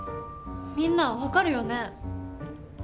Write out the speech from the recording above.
みんな分かるよね？